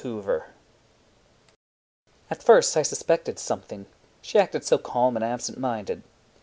Tom Merritt At first I suspected something— She acted so calm and absent minded.